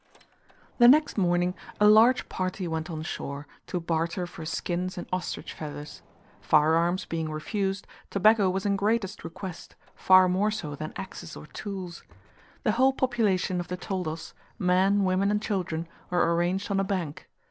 The next morning a large party went on shore, to barter for skins and ostrich feathers; fire arms being refused, tobacco was in greatest request, far more so than axes or tools. The whole population of the toldos, men, women, and children, were arranged on a bank.